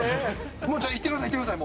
もうじゃあ、言ってください、言ってください。